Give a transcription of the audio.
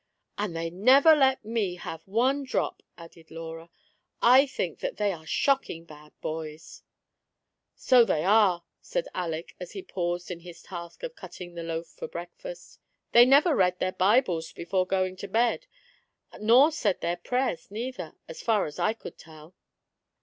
"And they never let me have one drop," added Laura; " I think that they are shocking bad boys !" "So they are," said Aleck, as he paused in his task of cutting the loaf for breakfast; " they never read their Bibles before going to bed, nor said their prayers neither, as far as I could tell."